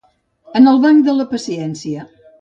En el banc de la paciència.